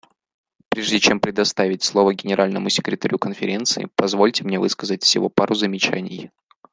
Прежде чем предоставить слово Генеральному секретарю Конференции, позвольте мне высказать всего пару замечаний.